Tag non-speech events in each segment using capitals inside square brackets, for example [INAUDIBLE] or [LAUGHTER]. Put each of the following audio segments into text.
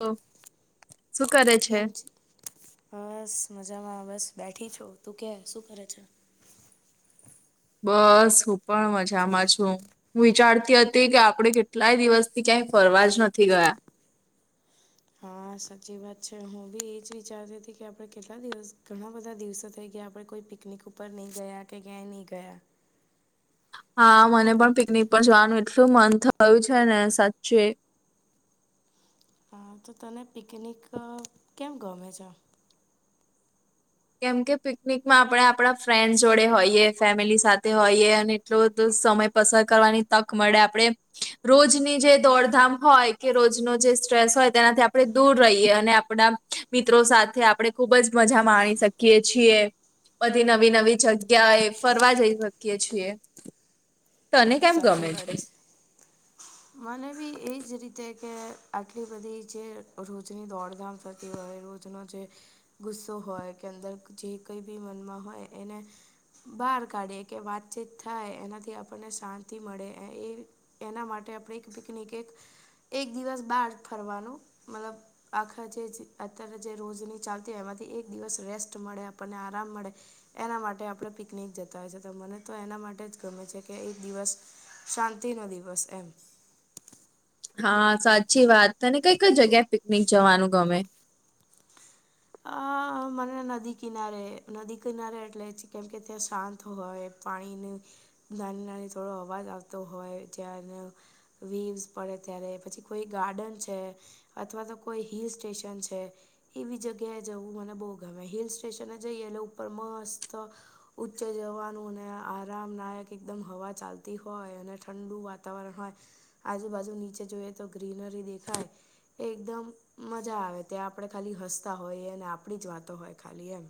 તો શું કરે કેમ છે. હાશ મજામાં બસ બેઠી છું તું કે શું કરે છે. બસ હું પણ મજામાં છું. હું વિચારતી હતી કે આપડણે કેટલાય દિવસથી ક્યાંય ફરવા જ નથી ગયા. હા સાચી વાત છે હું બી એજ વિચારતી હતી કે આપડે કેટલા દિવસ ઘણા બધા દિવસો થઈ ગયા આપડે કોઈ પિકનિક ઉપર નહીં ગયા કે ક્યાંય નહીં ગયા. હા મને પણ પિકનિક પર જવાનું એટલું મન થયું છે ને સાચચે હા તો તને પિકનિક અ કેમ ગમે છે. કેમ કે પિકનિકમાં આપણે આપણા ફ્રેન્ડ જોડે હોઈએ ફેમિલી સાથે હોઈએ અને જો તું સમય પસાર કરવાની તક મળે આપણે. રોજની જે દોડધામ હોય કે રોજનો જે સ્ટ્રેસ હોય તેનાથી આપણે દૂર રહીએ અને આપડા મિત્રો સાથે આપડણે ખુબ જ મજા માણી શકીએ. શકીએ છીએ બધી નવી નવી જગ્યાએ ફરવા જઈ શકીએ છીએ. તને કેમ સાચી ગમે વાત છે. મને બી એજ રીતે કે આટલી બધી છે રોજની દોડધામ થતી હોય રોજ રોજનો જે ગુસ્સો હોય કે અંદર જે કઈ બી મનમાં હોય એને બહાર કાઢી કે વાતચીત થાય એનાથી આપણને શાંત. થી મળે એ એના માટે આપણે એક પિકનિક એક. એક દિવસ બાર ફરવાનું મતલબ. આખા જે છે અત્યારે જે રોજની ચાલતી હોય એમાંથી એક દિવસ રેસ્ટ મળે આપણને આરામ મળે. એના માટે આપડે પિકનિક જતા હોય છે તો મને તો એના માટે જ ગમે છે કે એક દિવસ શાંતિ નો દિવસ એમ હા સાચી વાત તને કઈ કઈ જગ્યાએ પિકનિક જવાનું ગમે અ મને નદી કિનારે નદી કિનારે એટલે કેમકે ત્યાં શાંત હોય પાણીની નાની નાની થોડો અવાજ આવતો હોય જાયરનુ. વિલ્શ પડે ત્યારે પછી કોઈ ગાર્ડન છે. અથવા તો કોઈ હિલ સ્ટેશન છે એવી જગ્યા ત્યાં જવું મને બહુ ગમે હિલ સ્ટેશન એ જઈએ એટલે ઉપર મસ્ત ઉચ્ચે જવાનું અને આરામ નાયક એકદમ હવા ચાલતી હોય અને ઠંડુ વાતાવરણ હોય આજુબાજુ નીચે જોઈએ તો ગ્રીનરી દેખાય એ એકદમ મજા આવે ત્યાં આપણેે ખાલી હસતા હોઈ અને આપણી જ વાતો હોય ખાલી એમ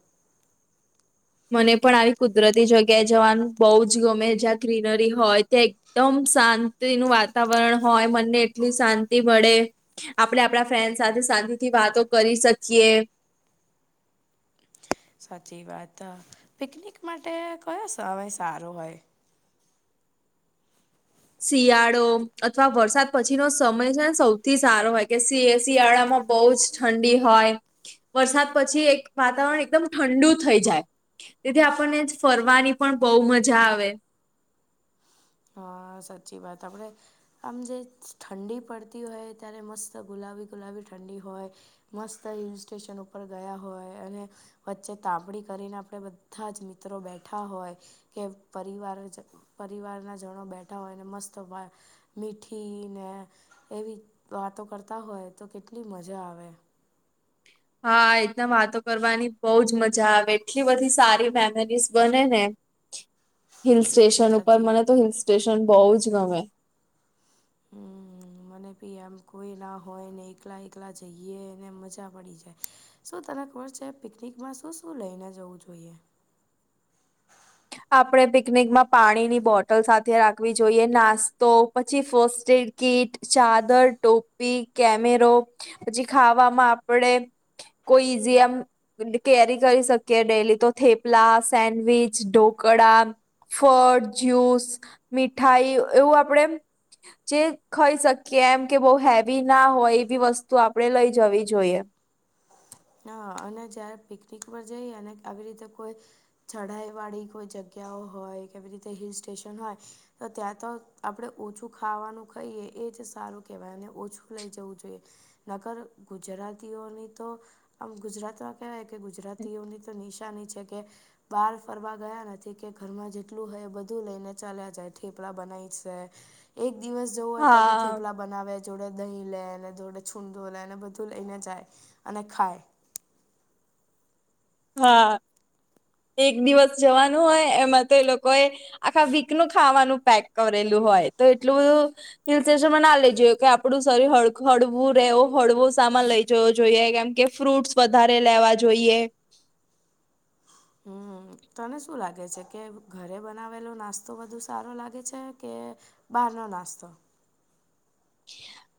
મને પણ આવી કુદરતી જગ્યાએ જવાનું બહુ જ ગમે જ્યાં ગ્રીનરી હોય ત્યાં એકદમ શાંતિનું વાતાવરણ હોય મનને એટલી શાંતિ મળે આપડણે આપણા ફ્રેન્ડ સાથે શાંતિથી વાતો કરી શકીએ સાચી વાત અ પિકનિક માટે કયો સમય સારો હોય શિયાળો અથવા વરસાદ પછી નો સમય છેને સૌથી સારો હોય કે શિ શિયાળામાં બહુ જ ઠંડી હોય વરસાદ પછી એક વાતાવરણ એકદમ ઠંડુ થઈ જાય. તેથી આપણને જ ફરવાની પણ બહુ મજા આવે હા સાચી વાત આપણેે આમ જે ઠંડી પડતી હોય ત્યારે મસ્ત ગુલાબી ગુલાબી ઠંડી હોય મસ્ત હિલ સ્ટેશન ઉપર ગયા હોય અને વચ્ચે તાપણી કરીને આપણે બધા જ મિત્રો બેઠા હોય કે પરિવાર પરિવારના જણો બેઠા હોય ને મસ્ત ભ મીઠી ને એવી વાતો કરતા હોય તો કેટલી મજા આવે. હા એના વાતો કરવાની બહુજ મજા આવે એટલી બધી સારી મેમરીઝ બને ને [UNINTELLIGIBLE] હિલ સ્ટેશન ઉપર સાચી મને તો હિલ સ્ટેશન બહુ જ ગમે હમ મને બી આમ કોઈ ના હોય ને એકલા એકલા જઈએ ને મજા પડી જાય શું તને ખબર છે પિકનિકમાં શું શું લઈને જવું જોઈએ. આપણે પિકનિકમાં પાણીની બોટલ સાથે રાખવી જોઈએ નાસ્તો પછી ફસ્ટ એડ કીટ ચાદર ટોપી કેમેરો પછી ખાવામાં આપણેે કોઈ જેયમ કેરી કરી શકીએ ડેલી તો થેપલા સેન્ડવીચ ડો ક કડા ફળ જ્યુસ મીઠાઈ એવું આપડે જે ખાઈ શકીએ એમ કે બહુ હેવી ના હોય એવી વસ્તુ આપે લઈ જવી જોઈએ હ અને જ્યારે પિકનિક પર જઈ અને આવી રીતે કોઈ ચઢાઈ વાળી કોઈ જગ્યાઓ હોય કેવી રીતે હિલ સ્ટેશન હોય તો ત્યાં તો આપણે ઓછું ખાવાનું ખાઈએ એ જ સારું કેહેવાય અને ઓછું લઇ જવું જોઈએ નકર ગુજરાતીઓની તો આમ ગુજરાતમાં કહેવાય કે ગુજરાતીઓની તો નિશાની છે કે બહાર ફરવા ગયા નથી કે ઘરમાં જેટલું હોય બધું લઈને ચાલ્યા જાય ઠેપલા બનાય છે એક દિવસ જવો હોય તો બી હા. થેપલા બનાવે જ જોડે દહીં લે ને જોડે છૂંદો લે ને બધું લઈને જાય અને ખાય હા એક દિવસ જવાનું હોય એમાં તો એ લોકો એ આખા વીક નું ખાવાનું પેક કરેલું હોય તો એટલું બધું હિલ સ્ટેશન માં ના લઈ જયો કે આપડું સરી હળ હળવું રહેવો હળવો સામાન લઈ. જો જોઈએ કેમ કે ફ્રૂટસ વધારે લેવા જોઈએ હમ તને શું લાગે છે કે ઘરે બનાવેલો નાસ્તો વધું સારો લાગે છે કે બહાર નો નાસ્તો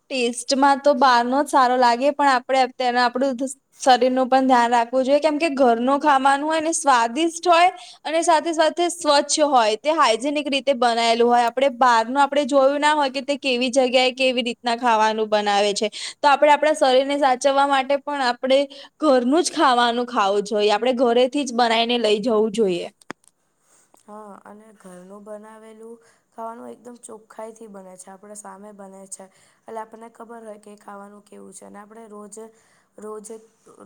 ટેસ્ટમાં તો બહાર નો જ સારો લાગે પણ આપડે અત્યારે આપણું શરીરનું પણ ધ્યાન રાખવું જોઈએ કેમ કે ઘરનું ખાવાનું હોય ને સ્વાદિષ્ટ હોય અને સાથે સાથે સ્વચ્છ હોય તે હાઈજેનિક રીતે બનાયેલું હોય આપડણે બહારનું આપડણે જોયું ના હોય કે તે કેવી જગ્યા એ કેવી રીતે ના ખાવાનું બનાવે છે તો આપણે આપણા શરીરને સાચવવા માટે પણ આપણે ઘરનું જ ખાવાનું ખાવું જોઈએ આપડણે ઘરેથી જ બનાવીને લઈ જવું જોઈએ. હા અને ઘરનું બનાવેલું ખાવાનું એકદમ ચોખ્ખાઈ થી બને છે આપડે સામે બને છે એટલે આપણને ખબર હોય કે ખાવાનું કેવું છે અને આપડણે રોજ રોજે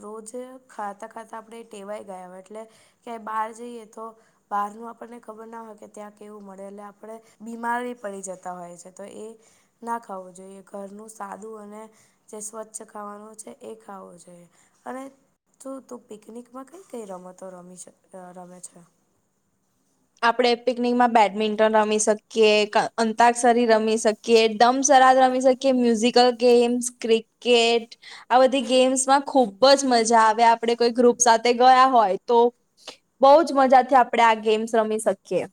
રોજે ખાતા ખાતા આપડણે ટેવાય ગયા હોય એટલે કે બહાર જઈએ તો. બહારનું આપણને ખબર ના હોય, કે ત્યાં કેવું મળે, એટલે આપણે બીમારી પડી જતા હોય છે તો એ. ના ખાવું જોઈએ, ઘરનું સાદું અને જે સ્વચ્છ ખાવાનું છે, એ ખાવું જોઈએ, અને જો તું પિકનિકમાં કઈ કઈ રમતો રમી છે, રમે છે. આપણે પિકનિકમાં બેડમિન્ટન રમી શકીએ, અંતાક્ષસરી રમી શકીએ, એકદમ સર રમી શકી, મ્યુઝિકલ ગેમ્સ, ક્રિકેટ. આ બધી ગેમ્સમાં ખુબ જ મજા આવે, આપણેે કોઈ ગ્રુપ સાથે ગયા હોય તો. બઉ જ મજા થી આપણે આ ગેમ્સ રમી શકીએ.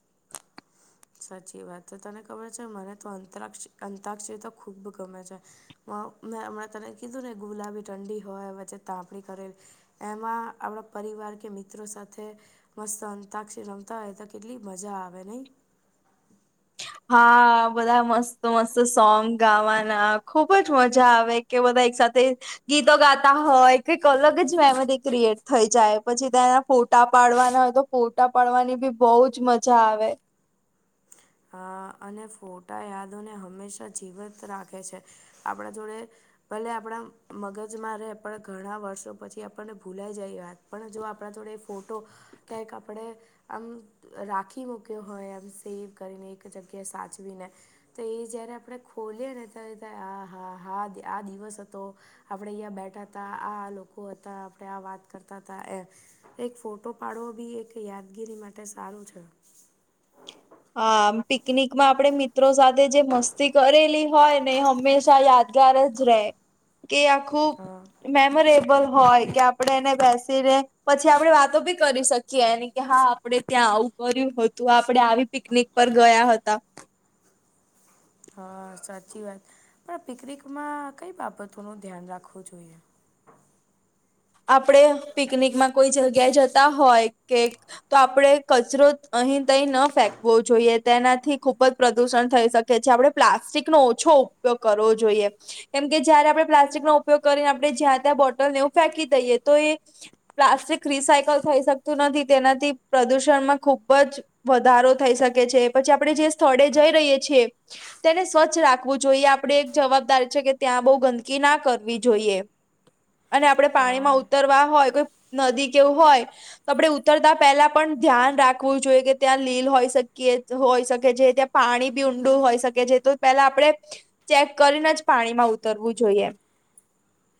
સાચી વાત તો તને ખબર છે, મને તો અંતરક્ષ અંતરાક્ષરી તો ખૂબ ગમે છે. મેં હમણાં તને કીધું ને, ગુલાબી ઠંડી હોય, વચ્ચે તાપણી કરેલી. એમાં આપણા પરિવાર કે, મિત્રો સાથે મસ્ત અંતાક્ષર રમતા હોય તો, કેટલી મજા આવે નહીં. હ. હા, બધા મસ્ત મસ્ત સોંગ ગાવાના ખુબ જ મજા આવે. કે બધા એક સાથે. ગીતો ગાતા હોય, કઈક અલગ જ મેમરી ક્રિએટ થઈ જાય, પછી તેના ફોટા પાડવાના હોય તો. ફોટા પડવાની બી બહુ જ મજા આવે. અ અને ફોટા યાદોને હંમેશા જીવંત રાખે છે, આપણા જોડે. ભલે આપણા મગજમાં રહે, પણ ઘણાં વર્ષો પછી આપણને ભૂલાઈ જાય વાત. પણ જો આપણા જોડે ફોટો. કંક આપડે આમ રાખી મૂક્યો હોય, એમ સ કરીને, એક જગ્યાએ સાચવીને. તો એ જારે આપણે ખોલી ને, ત્યારે આ હા, હા, આ દિવસ હતો. આપડે અહીંયા બેઠા હતા, આ લોકો હતા, આપણે આ વાત કરતા હતા, એ એક ફોટો પાડવો બી એક યાદગીરી માટે સારું છે. હા, પિકનિક માં આપણે મિત્રો સાથે જે મસ્તી કરેલી હોય ને, હંમેશા યાદ રહે. યાદગાર જ રહે, કે આખું હા મેમોરેબલ હોય કે, આપણે એને બેસીને પછી આપણે વાતો બી કરી શકીએ, એની કે હા. આપણે ત્યાં આવું કર્યું હતું, આપડે આવી પિકનિક પર ગયા હતા. હા, સાચી વાત. પણ પિકનિકમાં કઈ બાબતોનું ધ્યાન રાખવું જોઈએ. આપણે પિકનિકમાં કોઈ જગ્યાએ જતા હોય કે. તો આપણે કચરો અહીં તઈ ન ફેંકવો જોઈએ, તેનાથી ખુબ જ પ્રદુષણ થઈ શકે. કે છે. આપણે પ્લાસ્ટિકનો ઓછો ઉપયોગ કરવો જોઈએ. કેમ કે જયારે આપણે પ્લાસ્ટિક નો ઉપયોગ કરીને, આપણે જ્યાં ત્યાં બોટલનેું ફેંકી દઈએ તો એ. પ્લાસ્ટિક રીસાયકલ થઈ શકતું નથી, તેનાથી પ્રદુષણમાં ખુબ જ વધારો થઈ શકે છે, પછી આપણે જે સ્થળે જઈ રહીએ છીએ. તેને સ્વચ્છ રાખવું જોઈએ, આપણેે એક જવાબદારી છે કે, ત્યાં બહુ ગંદકી ના કરવી જોઈએ. અને આપણે હા પાણીમાં ઉતરવા હોય, કોઈ નદી કેવું હોય. તો આપણે ઉતરતા પહેલા પણ ધ્યાન રાખવું જોઈએ કે, ત્યાં લીલ હોઈ શકીએ હોય શકે છે ત્યાં. પાણી બી ઊંડું હોઈ શકે છે, તો પેલા આપડે ચેક કરીને જ પાણી માં ઉતરવું જોઈએ.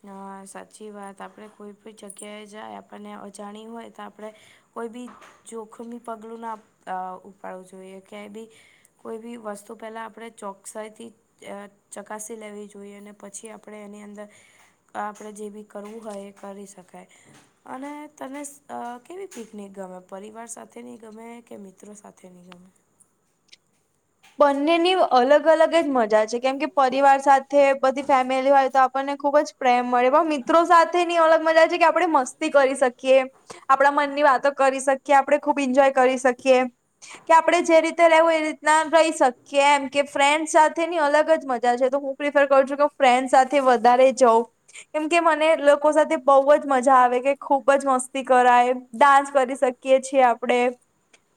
હા, સાચી વાત. આપણે કોઈ પણ જગ્યાએ જાય, આપણને અજાણી હોય તો આપણે કોઈ બી જોખમી પગલું ના ઉપાડવું જોઈએ, ક્યાંય બી. કોઈ બી વસ્તુ પેલા, આપણે ચોકસાઈથી ચકાસી લેવી જોઈએ, અને પછી આપણે એની અંદર. આપડે જે બી કરવુ હોય, એ કરી સકાય. અને તને સ કેવી પિકનિક ગમે, પરિવાર સાથેની ગમે કે મિત્રો સા થેની ગમે. બંનેની અલગ અલગ જ મજા છે. કેમ કે પરિવાર સાથે બધી ફેમિલી હોય, તો આપણને ખૂબ જ પ્રેમ મળે પહ મિત્રો સાથેની અલગ મજા છે, કે આપડે મસ્તી કરી સકીએ. આપડણા મનની વાતો કરી સકીએ, આપડણે ખુબ ઈન્જોય કરી સકીએ. કે આપડણે જે રીતે રેવું, એ રીતના રઈ શકીએ એમ, કે ફ્રેન્ડ સાથેની અલગ જ મજા છે. તો હું પ્રિફર કર છુ કે હું ફ્રેન્ડ સાથે વધારે જવ કેમ કે મને લોકો સાથે બઉ જ મજા આવે, કે ખુબ જ મસ્તી કરાય ડાન્સ કરી સ કીએ છે આપડણે.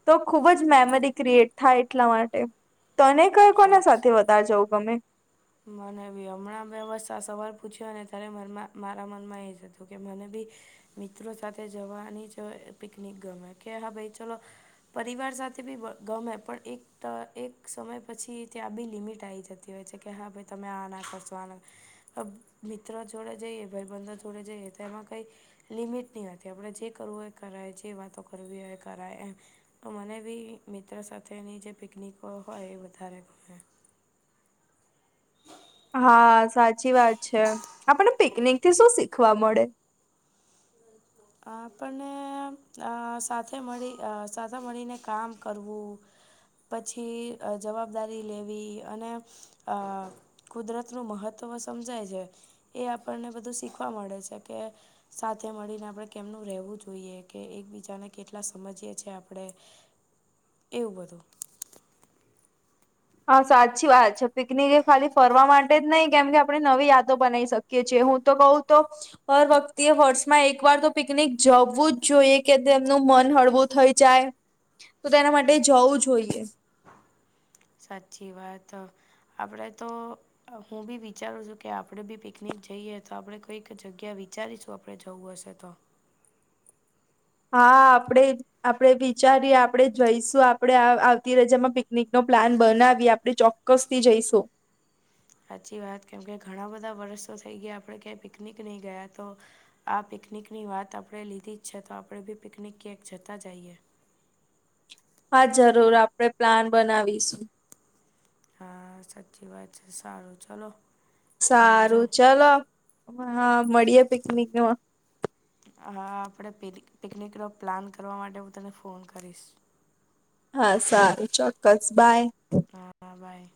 તો ખુબ જ મેમરી ક્રિએટ થાય, એટલા મા ટે. તને કય કોના સાચ સાથે વધારે જવું ગમે? મને બી હમણા મે બસ આ સવાલ પૂછ્યો ને, ત્યારે મનમા મારા મનમા એ જ હતું કે મને બી મિત્રો સાથે જવાની જ પિકનિક ગમે. કે હા ભઈ, ચલો. પરિવાર સાથે બી બ ગમે પણ એક ટ એક સમય પછી, ત્યાં બી લિમિટ આવી જ તી હોય છે, કે હા ભાઈ તમે આ ના કરસો આ ના અબ મિત્ર જોડે જઈએ, ભઈબંધો જોડે જઈએ તો એમાં કઈ લિમિટ નઈ હતી. આપડે જે કરવું હો એ કરાય, જે વાતો કરવી હોય એ કરાય એ તો મને બી મિત્રો સાથેની જે પિકનિકો હોય, એ વધારે ગમે. હા, સાચી વાત છે. આપડણને પિકનિક થી શું શીખવા મળે? આપને આ સાથે મળી આ સાથે મળીને કામ કરવું. પછી જવાબદારી લેવી અને અ કુદરતનું મહત્વ સમજાય જાય જે. એ આપડણને બધું સીખવા મળે સે, કે સાથે મળીને આપડણે કેમનું રેવુ જોઈએ કે, એકબીજાને કેટલા સમજીએ છે આપડણે. એવુ બધુ. હા, સાચી વાત છે. પિકનિક એ ખાલી ફરવા માટે જ નઈ, કેમ કે આપણે નવી યાદો બનાવી સક કે, જે હું તો કઉ તો હર વખ્તે વર્ષમાં એક વાર તો પિકનિક જવું જ જોઈએ, કે તેમનું મન હળવું થઈ જાય. તો તેના માટે જવું જોઈએ. સાચી વાત, આપડે તો હું બી વિચારુ છું કે આપડે બી પિકનિક જઈએ, તો આપડણે કોઈક જગ્યા વિચારીશું. આપડે જવું હશે તો. હા આપડે આપડણે વિચારીએ, આપડણેે જઈશું, આપણે આ આવતી રજામાં પિકનિક નો પ્લાન બનાવીએ આપડે ચો ક્કસથી જઈશું. સાચી વાત. કેમ કે ઘણા બધા વર્ષો થઈ ગયા, આપડે ક્યાંય પિકનિક નહી ગયા તો આ પિકનિક ની વાત આપણે લીધી જ છે, તો આપડે બી પિકનિક ક્યાંક જતા જઈએ. હા, જરૂર આપડણેે પ્લાન બનાવીશું. હા સાચી વાત છે, સારુ ચલો. સારુ આવજો ચાલો, હા મળીએે પિકનિક ન માં હા, આપડણે પિક પિકનિકનો પ્લાન કરવા માટે હું તને ફોન કરીસ. હા. સારુ ચોક્કસ, બાય. હા બાય.